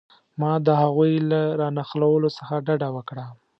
ما د هغوی له را نقلولو څخه ډډه وکړه.